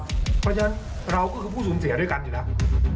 เพราะฉะนั้นเราก็คือผู้สูงเสียด้วยกันจริง